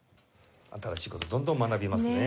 新しい事どんどん学びますね。